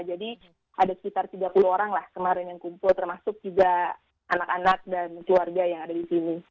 jadi ada sekitar tiga puluh orang lah kemarin yang kumpul termasuk juga anak anak dan keluarga yang ada di sini